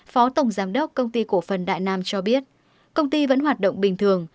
phó tổng giám đốc công ty cổ phần đại nam cho biết công ty vẫn hoạt động bình thường